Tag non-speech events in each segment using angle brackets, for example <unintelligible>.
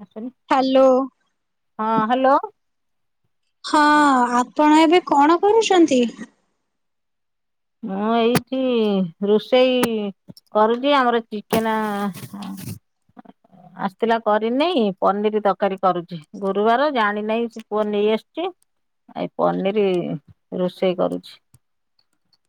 <inaudible> Hello. ହଁ, hello. ହଁ, ଆପଣ ଏବେ କଣ କରୁଛନ୍ତି? ମୁଁ ଏଇଠି ରୋଷେଇ କରୁଚି, ଆମର ଚିକେନ ଆ ଆସିଥିଲା, କରିନେଇ, ପନିର ତକାରୀ କରୁଚି, ଗୁରୁବାର ଜାଣି ନେଇ ପୁଅ ନେଇ ଆସିଛି, ଆଇ ପନିର ରୋଷେଇ କରୁଛି ।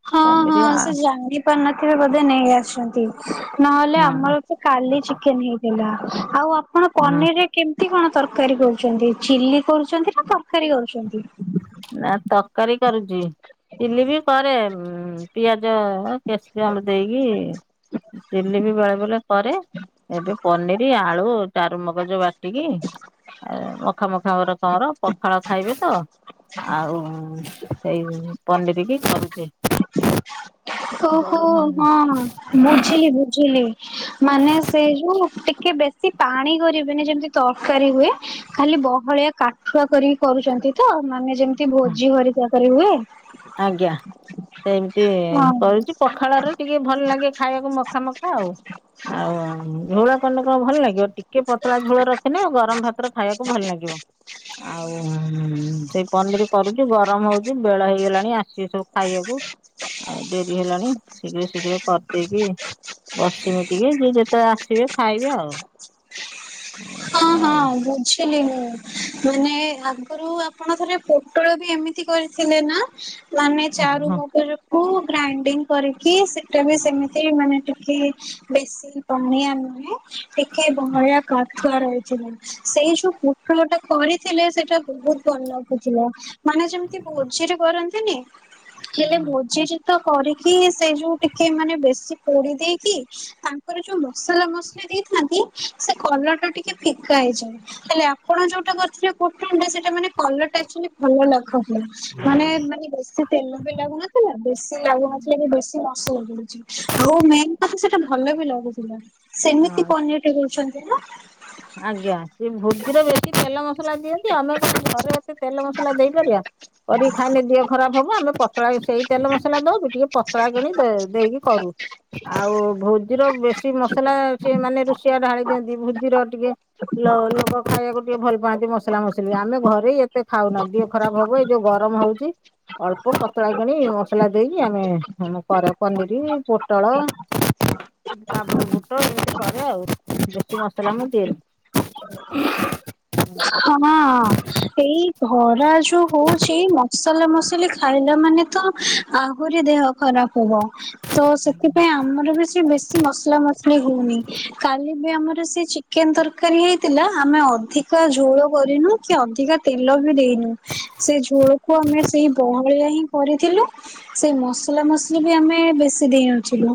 ହଁ, ହଁ ସେ ଜାଣି ପାରିନଥିବେ ବୋ ନେଇ ଆସଛନ୍ତି । ନହେଲେ, ହଁ ଆମର ତ କାଲି ଚିକେନ ହେଇଥିଲା । ଆଉ ଆ କଣ ହଁ ପନିର ରେ, କେମିତି କଣ ତରକାରୀ କରୁଛନ୍ତି, ଚିଲି କରୁଛନ୍ତି, ନା ତରକାରୀ କରୁଛନ୍ତି । ନା ତରକାରୀ ହୁଁ, ପିଆ ଜ କେଶିଅମ୍ ଦେଇକି ଚିଲ୍ଲି ବି ବେଳେ ବେଳେ କରେ, ଏବେ ପନିର, ଆଳୁ, ଚାରୁମଗଜ ବାଟିକି ଆ ମଖ ମଖା ମର କର ପଖାଳ ଖାଇବେ, ତ। ଆଉ ସେଇ ପନିରିକି କରୁଚି। ଓହୋ, ହଁ, ବୁଝିଲି, ବୁଝିଲି। ମାନେ ସେଇ, ଯୋଉ ଟିକେ ବେଶି ପାଣି କରିବେନି, ଯେମିତି ତରକାରୀ ହୁଏ, ଖାଲି ବହଳିଆ କାଠୁଆ କରିକି କରୁଛନ୍ତି, ତ ମାନେ ଯେମତି ଭୋଜି ହୋରିକା କରି ହୁଏ । ଆଜ୍ଞା। ସେମିତି ହଁ କରୁଛି, ପଖାଳ ରେ ଟିକେ ଭଲ ଲାଗେ । ଖାଇବାକୁ ମଖା, ମଖା ଆଉ, ଆଉ ଝୋଳ କଲେ କଣ ଭଲ ଲାଗିବ, ଟିକେ ପତଳା ଝୋଳ ରଖିନେ, ଗରମ ଭାତରେ ଖାଇବାକୁ ଭଲ ନାଗିବ, ଆଉ ସେଇ ପନିର କରୁଛି, ଗରମ ହଉଛି, ବେଳ ହେଇଗଲା ପୁଣି ଆସିବେ, ସବୁ ଖାଇବାକୁ ଆଉ ଡେରି ହେଲାଣି, ଶୀଘ୍ର, ଶୀଘ୍ର କରିଦେଇକି ବସିମି ଟିକେ, ଯିଏ ଯେତେବେଳେ ଆସିବେ ଖାଇବେ ଆଉ । <inaudible> ହଁ, ବୁଝିଲି ମାନେ ଆଗରୁ, ଆପଣ ଥରେ ପୋଟଳ ବି ଏମିତି କରିଥିଲେ, ନା । ମାନେ ଆଉ ଚାରୁମଗଜକୁ ଗ୍ରାଇଣ୍ଡିଙ୍ଗ କରିକି, ସେଟା ବି ସେମିତି ମାନେ କି ବେଶୀ ଫନିଆ ନୁହେଁ ଟିକେ ଭୟ କଥା କରାଯାଇଥିଲା। ସେଇ ଯୋଉ ପୁଟଳ ଟା କରିଥିଲେ ସେଇଟା ବହୁତ ଭଲ ଲାଗୁଥିଲା। ମାନେ ଯେମିତି ଭୋଜିରେ କରନ୍ତିନି ହେଲେ ଭୋଜିର ତ କରିକି କି ସେ ଯୋଉ ଟିକେ ମାନେ ବେଶୀ ପୋଡି ଦେଇକି ତାଙ୍କର ଯୋଉ ମସଲା ମସଲି ଦେଇଥାନ୍ତି ସେ କଲର ଟା ଟିକେ ଫିକା ହେଇଯାଏ ହେଲେ ଆପଣ ଯୋଉଟା କରିଥିଲେ ପୋଟଳ ଟା ସେଟା ମାନେ କଲର ଆକଚୁଆଲି ଭଲ ଲାଗୁଥିଲା ମାନେ ମାନେ ବେଶୀ ତେଲ ବି ଲାଗୁନଥିଲା ବେଶୀ ଲାଗୁନଥିଲା ବି ବେଶୀ <unintelligible> ଆଉ ମେନ୍ କଥା ସେଟା ଭଲ ବି ଲାଗୁଥିଲା ସେମିତି ହଁ ପନିର ଟେ କରୁଛନ୍ତି। ଦେଲା ଆଜ୍ଞା ସେ ଭୋଜିର ବେଶୀ ତେଲ ମସଲା ଦିଅନ୍ତି ଆମେ କଣ ଘରେ ଏତେ ତେଲ ମସଲା ଦେଇପାରିବା କରିକି ଖାଇଲେ ଦିହ ଖରାପ ହବ ଆମେ ପତଳା ସେଇ ତେଲ ମସଲା ଦଉଚୁ ଟିକେ ପତଳା କରି ଦେଇକି କରୁ ଆଉ ଭୋଜିର ବେଶୀ ମସଲା ସିଏ ମାନେ ରୋଷେଇଆ ଢାଳି ଦିଅନ୍ତି ଭୋଜିର ଦିଅ ଲୋକ ଖାଇବାକୁ ଟିକେ ଭଲ ପାଆନ୍ତି ମସଲା ମସଲି ଆମେ ଘରେ ଏତେ ଖାଉନା ଦିହ ଖରାପ ହବ ଏଇ ଯୋଉ ଗରମ ହଉଛି ଅଳ୍ପ ପତଳା କରି ମସଲା ଦେଇକି ଆମେ କରେ ପନିର ପୋଟଳ କାବୁଲି ବୁଟ ଏମିତି କରେ ଆଉ। ବେଶୀ ମସଲା ମୁଁ ଦିଏନି। ହଁ ଏଇ ଘରେ ଖରା ଯୋଉ ହଉଛି ମସଲା ମସଲି ଖାଇଲା ମାନେ ତ ଆହୁରି ଦେହ ଖରାପ ହବ ତ ସେଥିପାଇଁ ଆମର ବି ସେ ବେଶୀ ମସଲା ମସଲି ହଉନି କା ଦିନେ ଆମର ସେ ଚିକେନ ତରକାରୀ ହେଇଥିଲା ଆମେ ଅଧିକ ଝୋଳ କରିନୁ କି ଅଧିକ ତେଲ ବି ଦେଇନୁ ସେ ଝୋଳକୁ ଆମେ ସେଇ ବହଳିଆ ହିଁ କରିଥିଲୁ ସେ ମସଲା ମସଲି ବି ଆମେ ବେଶୀ ଦେଇନଥିଲୁ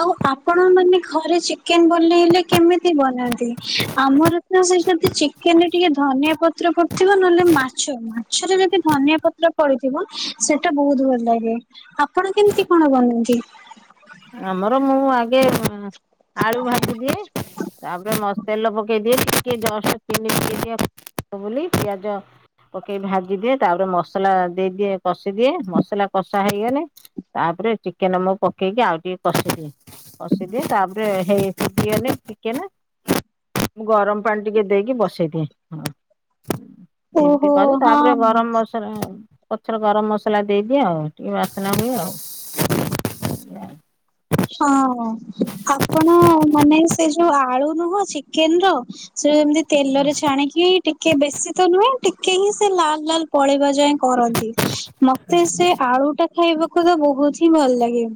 ଆଉ ଆପଣ ମାନେ ଘରେ ଚିକେନ ବନେଇଲେ କେମିତି ବନାନ୍ତି ଆମର ତ ସେ ଯଦି ଚିକେନ ରେ ଟିକେ ଧନିଆ ପତ୍ର ପଡିଥିବ ନହେଲେ ମାଛ ମାଛରେ ଯଦି ଧନିଆ ପତ୍ର ପଡିଥିବ ସେଟା ବହୁତ ଭଲ ଲାଗେ ଆପଣ କେମିତି କଣ ବନାନ୍ତି। ଆମର ମୁଁ ଆଗେ ଆଳୁ ଭାଜିଦିଏ ତାପରେ ତେଲ ପକେଇଦିଏ। ଟିକେ ଜଷ୍ଟ ଚିନି ପକେଇଦିଏ କଲର ହବ ବୋଲି ପିଆଜ ପକେଇକି ଭାଜି ଦିଏ ତାପରେ ମସଲା ଦେଇଦିଏ କଷିଦିଏ ମସଲା କଷା ହେଇଗଲେ ତାପରେ ଚିକେନ ମୁଁ ପକେଇକି ଆଉ ଟିକେ କଷିଦିଏ କଷିଦିଏ ତାପରେ ହେଇ ସିଝିଗଲେ ଚିକେନ ମୁଁ ଗରମ ପାଣି ଟିକେ ଦେଇକି ବସେଇଦିଏ। ଏମିତି ଓହୋ କରେ ତାପରେ ହଁ। ଗରମ ମସଲା ପଛରେ ଗରମ ମସଲା ଦେଇଦିଏ ଆଉ ଟିକେ ବାସ୍ନା ହୁଏ ଆଉ ହଁ ଆପଣ ମାନେ ସେ ଯୋଉ ଆଳୁ ନୁହଁ ଚିକେନ ର ଏମିତି ତେଲରେ ଛାଣିକି ଟିକେ ବେଶୀ ତ ନୁହେଁ ଟିକେ ହିଁ ସେ ଲାଲ ଲାଲ ପଳେଇବା ଯାଏ ଯାଏ କରନ୍ତି ମତେ ସେ ଆଳୁ ଟା ଖାଇବାକୁ ବହୁତ ହିଁ ଭଲ ଲାଗେ।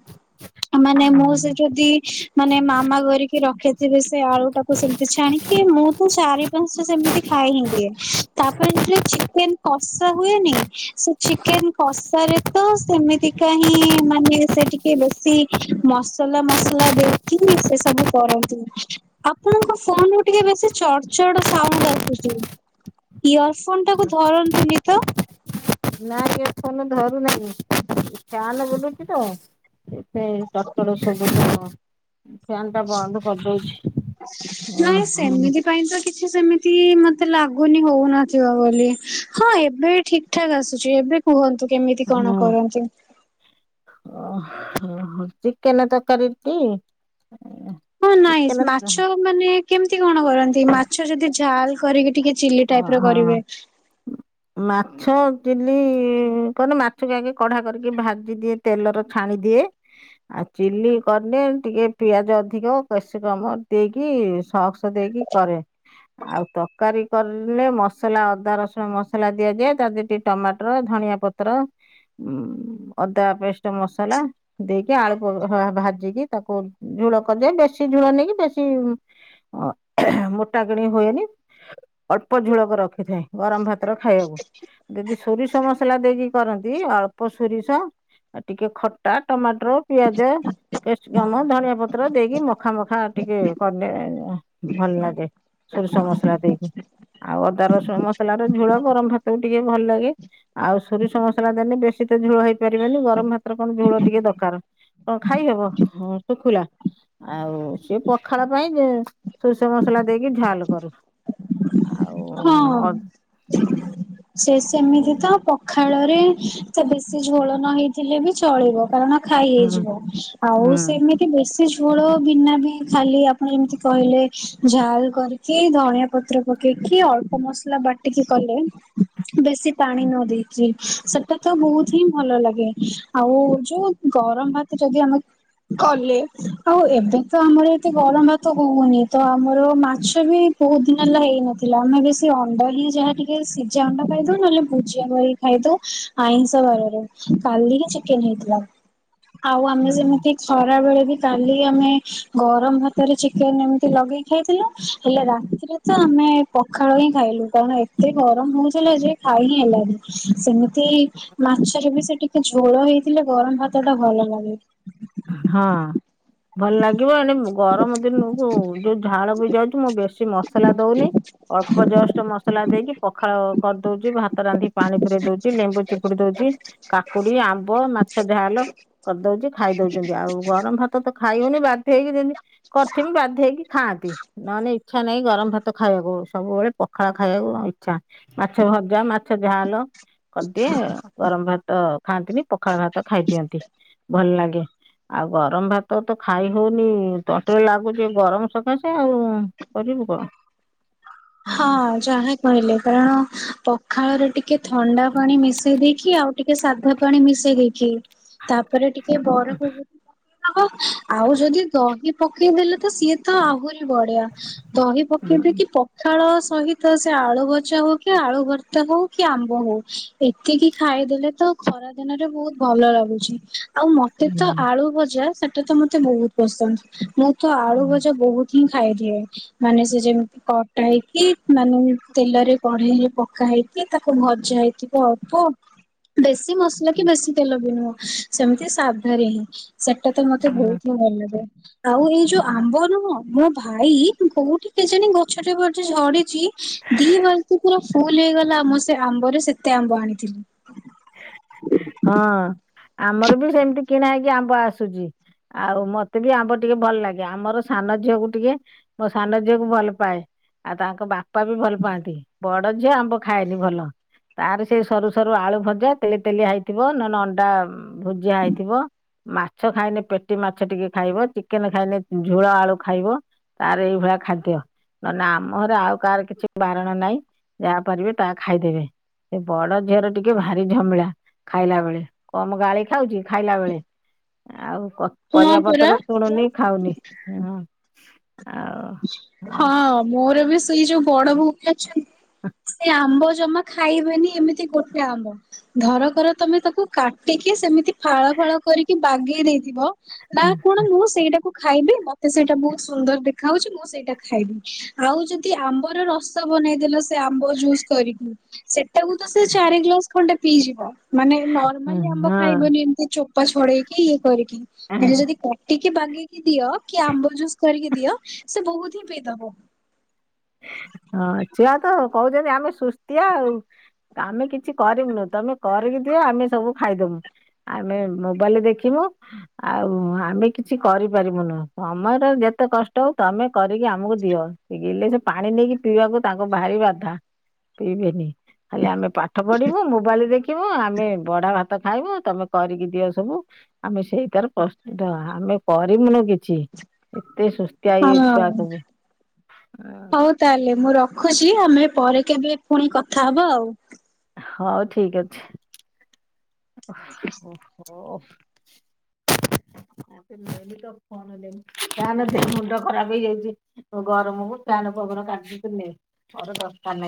କିଏ ମାନେ ମୁଁ ସେ ଯଦି ମାନେ ମାମା କରିକି ରଖିଥିବି ସେ ଆଳୁ ଟାକୁ ସେମତି ଛାଣିକି ମୁଁ ତ ଚାରି ସେମିତି ଖାଇ ହିଁ ଦିଏ ତାପରେ ଯେଥିବେଳେ ଚିକେନ କଷା ହୁଏନି ସେ ଚିକେନ କଷାରେ ତ ସେମିତିକା ହିଁ ମାନେ ସେ ଟିକେ ବେଶୀ ମସଲା ମସଲା ଦେଇକି ସେ ସବୁ କରନ୍ତୁ ଆପଣଙ୍କ ଫୋନ ରୁ ଟିକେ ବେଶୀ ଚଡ ଚଡ ସାଉଣ୍ଡ ଆସୁଛି ଇୟର ଫୋନ ଟାକୁ ଧରନ୍ତୁନି ତ। ନାଇଁ ଫୋନ ଧରୁନାହିଁ ଫ୍ୟାନ ବୁଲୁଛି ତ ସେ ଟଟର ସବୁ ଫ୍ୟାନ ଟା ବନ୍ଦ କରିଦଉଛି ଓ ନାଇଁ ହ େ ଲାଗୁନି ହଉନିବ ବୋଲି ହଁ ଏବେ ବି ଠିକ ଠାକ୍ ଆସୁଛି ଏବେ କୁହନ୍ତୁ। କେମିତି କଣ କରନ୍ତି। ଓୋ ଚିକେନ ତରକାରୀଟି। ହଁ ନାଇଁ ମାଛ ମାନେ କେମତି କଣ କରନ୍ତି। ମାଛ ଯଦି ଝାଲ କରିକି ଟିକେ ଚିଲି ଟାଇପ ର ଓହୋ। କରିବେ ମାଛ ଚିଲ୍ଲି କଲେ ମାଛକୁ ଆଗ କଢା କରିକି ଭାଜିଦିଏ ତେଲର ଛାଣିଦିଏ ଆଉ ଚିଲି କଲେ ଟିକେ ପିଆଜ ଅଧିକ କେଶ କମ ଦେଇକି ସକ୍ସ ଦେଇକି କରେ ଆଉ ତରକାରୀ କଲେେ ମସଲା ଅଦା ରସୁଣ ମସ ସ ଦିଆଯାଏ ତା ଟମାଟର ଧଆ ପତ୍ର ଅଦା ପେଷ୍ଟ ମସଲା ଦେଇକି ଆଳୁ ଭାଜିକି ତାକୁ ଝୁଳ କରିଦିଏ ।ବେଶି ଝୁଳ ନେଇକି ବେଶୀ ମୋଟା କିଣି ହୁଏନି ଅଳ୍ପ ଝୁଳକ ରଖିଥାଏ ଗରମ ଭ ଖାଇବାକୁ ଯଦି ସୋରିଷ ମସଲା ଦେଇକି କରନ୍ତି ଅଳ୍ପ ସୋରିଷ ଟିକେ ଖଟା ଟମାଟର ପିଆଜମ ଧଣିଆ ପତ୍ର ଦେଇକି ମଖା ମଖା ଟିକେେ ଭଲ ଲାଗେ ସୋରିଷ ମସଲା ଦେଇକି ଆଉ ଅଦା ରସୁ ମସଲା ଝୋଳ ଗରମ ଭାତକୁ ଟିକେ ଭଲ ଲାଗେ ଆଉ ସୋରିଷ ମସଲା ଦେଲେ ବେଶୀ ତ ଝୋଳ ହେଇପାରିବନି ଗରମ ଭାତରେ କଣ ଝୋଳ ଟିକେ ଦରକାର କଣ ଖାଇହବ ଶୁଖୁଲାା ଆଉ ସିଏ ପଖାଳ ପାଇଁ ସୋରିଷ ମସଲା ଦେଇକି ଝାଲ କରଲ ହଁ। ହଁ। ସେ ସେମିତି ତ ପ ଖାଳରେ ସେ ବେଶୀ ଝୋଳ ନ ହେଇଥିଲେ ବି ଚଳିବ କାରଣ ଖାଇ ହେଇଯିବ ଆଉ ସେମିତି ବେଶୀ ସେ ଝୋଳ ବିନା ବି ଖାଲି ଆପଣ ଯେମିତି କହିଲେ ଝାଲ କରିକି ଧଣିଆ ପତ୍ର ପକେଇକି କିଏ ଅଳ୍ପ ମସଲା ବାଟିକି କଲେ ବେଶୀ ପାଣି ନ ଦେଇେଇକି ସେଟା ତ ବହୁତ ହିଁ ଭଲ ଲାଗେ ଆଉ ଯୋଉ ଗରମ ଭାତ ଯଦି ଆମେ କଲେ ଆଉ ଏବେ ତ ଆମର ଏତେ ଗରମ ଭାତ ହଉନି ତ ଆମର ମାଛ ବି ବହୁତ ଦିନ ହେଲା ହେଇନ ଥିଲା ଆମେ ବି ଅଣ୍ଡା ହିଁ ଯାହା ଟିକେ ସିଝା ଅଣ୍ଡ ଖାଇଦଉ ନହଲେ ଭୁଜିଆ ଖାଇଦଉ ଆଇଁଷ ବାରରେ କାଲି ହିଁ ଚିକେନ ହେଇଥିଲା। ଆଉ ଆମେ ଯେମିତି ଖରାବେଳେ କାଲି ଆମେ ଗରମ ଭାତରେ ଚିକେନ ଏମିତି ଲଗେଇ ଖାଇଥିଲୁ ହେଲେ ରାତିରେ ତ ଆମେ ପଖାଳ ହିଁ ଖାଇଲୁ କାରଣ ଏତେ ଗରମ ହଉଥିଲା ଯେ ଖାଇ ହିଁ ହେଲାନି ସେମିତି ମାଛରେ ବି ସେ ଟିକେ ଝୋଳ ହେଇଥିଲେ ଗରମ ଭାତ ଟା ଭଲ ଲାଗେ। ହଁ ଭଲ ଲାଗିବ ଏଣେ ଗରମ ଦିନ ଯୋଉ ଝାଳ ବି ଯାଉଛି ମୋ ବ ବେଶ ମସଲା ଦଉନି ଅଳ୍ପ ଜଷ୍ଟ ମସଲା ଦେଇକି ପଖାଳ କରିଦଉଛି ଭାତ ରାନ୍ଧି ପାଣି ପୁରରେଇ ଦଉଛି ଲେମ୍ବୁ ଚିପୁଡି ଦଉଛି କାକୁଡି ଆମ୍ବ ମାଛ ଝାଲ କରିଦଉଛି ଖାଇ ଦଉଛି। ଆଉ ଗରମ ଭାତ ତ ଖାଇବନି ବାଧ୍ୟ ହେକିି କରିଥମି ବାଧ ହେଇକି ଖାଆନ୍ତି ନହେଲେ ଇଚ୍ଛା ନାହିଁ ଗରମ ଭାତ ଖାଇବାକୁ ସବୁବେଳେ ପଖାଳ ଖାଇବାକୁ ଇଚ୍ଛା ମାଛ ଭଜା ମାଛ ଝାଲ କରିଦିଏ ଗରମ ଭାତ ଖାଆନ୍ତିନି ପଖାଳ ଭାତ ଖାଇଦିଅନ୍ତି ଭଲ ଲାଗେ। ଆଉ ଗରମ ଭାତ ତ ଖାଇ ହଉନି ତଣ୍ଟି ରେ ଲାଗୁଛି ଗରମ ସକାଶେ ଆଉ କରିବୁ କଣ। ହଁ ଯାହା କହିଲେ କାରଣ ଖାଳରେ ଟିକେ ଥଣ୍ଡା ପାଣି ମିଶେଇ ଦେଇକି ଆଉ ଟିକେ ସାଧା ପାଣି ମିଶେଇ ଦେଇକି ତାପରେ ଟି କେ ବରଫ ହ ଆଉ ଯଦି ଦହି ପକେଇଦେଲେ ତ ସିଏ ତ ଆହୁରି ବଢିଆ ଦହି ହୁଁ ପକେଇ ଦେଇକି ପ ପକାଳ ସହିତ ସେ ଆଳୁ ଭଜା ହଉ କି ଆଳୁ ଭର୍ତ୍ତା ହଉ କି ଆମ୍ବ ହଉ ଏତିକି ଖାଇଦେଲେ ତ ଖରା ଦିନରେ ବହୁତ ଭଲ ଲାଗୁଛି। ଆଉ ମତେ ତ ହୁଁ ଆଳୁ ଭଜା ସେ ତ ମତେ ବହୁତ ପସନ୍ଦ। ତ ଆଳୁ ଭଜା ବହୁତ ହିଁ ଖାଇଦିଏ ମାନେ ସେ ଯେମିତି କ କଟାଇକି ମାନେ ତେଲରେ କଢେଇ ପକା ହେଇକି ତାକୁ ଭଜା ହେଇଥିବ ଅଳ୍ପ। ବେଶୀ ମସଲା କି ବେଶୀ ତେଲ ବି ନୁହଁ। ସେମିତି ସାବଧା ରେ ହିଁ। ସେଟା ତ ମତେ ବହୁତ ହି ଭଲ ଲାଗେ। ହ ଆଉ ଏଇ ଯୋଉ ହୁଁ। ଆମ୍ବ ନୁହଁ। ମୋ ଭାଇ କୋଉଠି କେ ଜଣେ ଗଛ <unintelligible> ଝଡ଼ି ଚି ଦି ବଲଟି ପୁରା ଫୁଲ ହେଇଗଲା ଆମ ସେ ଆମ୍ବରେ ସେ ତେ ଆମ୍ବ ଆଣିଥିଲି। ହଁ। ଆମର ବି ସେମିତି କିଣା ହେଇକି ଆମ୍ବ ଆସୁଚି ଆଉ ମତେ ବି ଆମ୍ବ ଟିକେ ଭଲ ଲାଗେ ଆମର ସାନ ଝିଅକୁ ଟିକେ ମୋ ସାନ ଝିଅକୁ ଭଲ ପାଏ ଆଉ ତାଙ୍କ ବା ବାପା ବି ଭଲ ପାଆନ୍ତି। ବଡ ଝିଅ ଆମ୍ବ ଖାଏନି ଭଲ ତାର ସେ ସରୁ ସରୁ ଆଳୁ ଭ ଜା ତେଲି ତେଲି ହେଇଥିବ ନହନେ ଅଣ୍ଡା ଭୁଜିଆ ହେଇଥିବ ମାଛ ଖାଇନେ ପେଟି ମାଛ ଟିକେ ଖାଇବ ଚିକେନ ଖାଇନେ ଝୋଳ ଆଳୁ ଖାଇବ ତାର ଏଇଭଳିଆ ଖାଦ୍ୟ ନହେନେ ଆମରେ ଆଉ କାହାର କିଛି ବାରଣ ନାଇଁ ଯାହା ପାରିବେ ତା ଖାଇଦେବେ ବଡ ଝିଅର ଟିକେ ଭାରି ଝମିଳା ଖାଇଲା ବେଳେ କମ ଗାଳି ଖାଉଛି ଖାଇଲା ବେଳେ ଆଉ। ହଁ ପରିବା ପରା ପତ୍ର ଶୁଣୁନି ଖାଉନି। <unintelligible> ହଁ ହଁ ମୋର ବି ସେଇ ଯୋଉ ବଡ ବୋଉ ସେ ଆମ୍ବ ଜମା ଖାଇବେନି ଏମତି ଗୋଟେ ଆମ୍ବ ଧର କର ତମେ ତାକୁ କାଟିକି ସେମିତି ଫାଳ ଫାଳ କରିକି ବାଗେଇ ଦେଇଥିବ। ନା କଣ ମୁଁ ସେଇଟାକୁ। ଖାଇବେ ମତେ ସେଇଟା ବହୁତ ସୁନ୍ଦର ଦେ ଖାଉଛି ମୁଁ ସେଇଟା ଖାଇବି ଆଉ ଯଦି ଆମ୍ବର ରସ ବନେଇଦେଲ ଆମ୍ବ ଜୁସ୍ କରିକି। <inaudible> ଏ ତ ସେ ଚାରି ଗ୍ଲାସ ଖଣ୍ଡେ ପିଇଯିବ। ମାନେ ନର୍ମାଲି ଆମ୍ବ ହଁ ଖାଇବନି ଏମିତି ଚୋପା ଛଡେଇକି ଇଏ କରିକି ।ହେଲେ ଯଦି କାଟ କି ବାଗେଇିକି ଦିଅ କି ଆମ୍ବ ଜୁସ୍ କରିକି ଦିଅ ସେ ବହୁତ ହିଁ ପିଇଦବ। ହଁଛୁଆ ତ କହୁଛନ୍ତି ଆମେ ସୁସ୍ଆ ଆଉ ଆମେ କିଛି କରମୁନୁ ତମେ କରିକି ଦିଅ ଆମେ ସବୁ ଖାଇଦବୁ ଆମେ ମୋବାଇଲରେ ଦେଖିବୁ ଆଉ ଆମେ କିଛି କରିପାରିବୁନୁ ସମମୟର ଯେତେ କଷ୍ଟ ହଉ ତମେ କରିକି ଆମକୁ ଦିଅିଲେ ସେ ପାଣି ନେଇକି ପିଇବାକୁ ତାଙ୍କ ବାହାରି ବାଧା ପିଇବେନି ଖାଲି ଆମେ ପାଠ ପଢିବୁ ମୋବାଇଲ ଦେଖିବୁ ଆମେ ବଢା ଭାତ ଖାଇବୁ ତମେ କରିକି ଦିଅ ସବୁ ଆମେ ସେଇ ତାର ପ୍ରଶ୍ନ ଆମେ କରମୁନୁ କି ଏତେ ସୁଷ୍ଟିଆ ହେଇଯାଇ ଛୁଆ ହଁ ସବୁ ହଉ ତାହେଲେ ମୁଁ ରଖୁଛି ଆମେ ପରେ କେବେ ପୁଣି କଥା ହବ ଆଉ। ହଉ ଠିକ ଅଛି। ଓ ହ। ଓ ନ ତ କଣି ମୁଣ୍ଡ ଖରାପ ହେଇଯାଇଛି ଗରମକୁ ତୁନେ ପବନ କାଟ ତ ନେର ଦରକାର ନାହିଁ